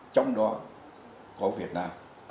trong đó có việt nam